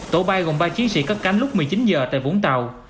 tổ bay gồm ba chiến sĩ cất cánh lúc một mươi chín h tại vũng tàu